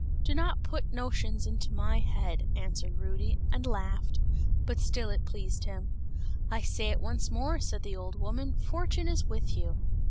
"Do not put notions into my head!" answered Rudy, and laughed, but still it pleased him. "I say it once more," said the old woman, "fortune is with you!"